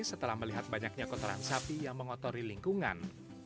setelah melihat banyaknya kotoran sapi yang mengotori lingkungan